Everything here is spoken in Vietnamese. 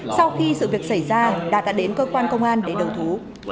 sau khi sự việc xảy ra đạt đã đến cơ quan công an để đầu thú